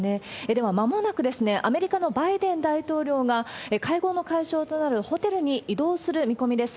では、まもなくアメリカのバイデン大統領が、会合の会場となるホテルに移動する見込みです。